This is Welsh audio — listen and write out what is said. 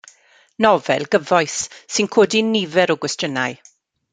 Nofel gyfoes, sy'n codi nifer o gwestiynau.